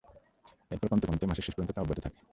তারপর কমতে শুরু করে মাসের শেষ পর্যন্ত তা অব্যাহত থাকে।